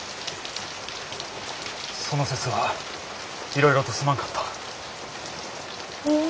その節はいろいろとすまんかった。